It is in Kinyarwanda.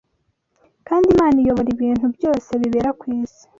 kandi Imana iyobora ibintu byose bibera ku isi